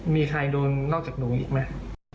มีใครโดนนอกจากหนูอีกไหม